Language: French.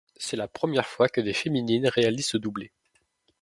C'est la première fois que des féminines réalisent ce doublé.